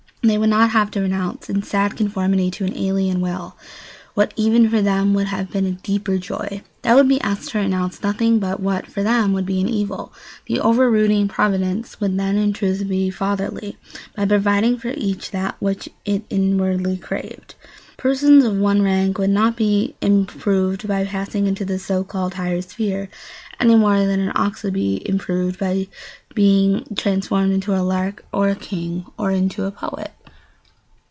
They would not have to renounce, in sad conformity to an alien will, what even for them would have been a deeper joy. They would be asked to renounce nothing but what, for them, would be an evil. The overruling providence would then in truth be fatherly, by providing for each being that which it inwardly craved. Persons of one rank would not be improved by passing into the so called higher sphere, any more than the ox would be improved by being transformed into a lark, or a king into a poet.